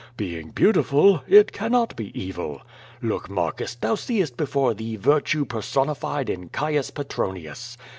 Being beautiful, it cannot be evil. Look, Marcus, thou seest before thee Virtue personified in Caius Petronius!